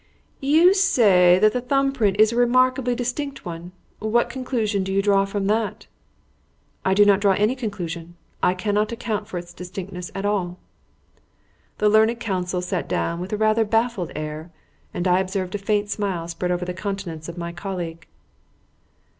"You say that the thumb print is a remarkably distinct one. What conclusion do you draw from that?" "I do not draw any conclusion. I cannot account for its distinctness at all." The learned counsel sat down with rather a baffled air, and I observed a faint smile spread over the countenance of my colleague.